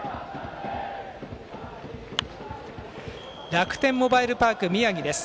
楽天モバイルパーク宮城です。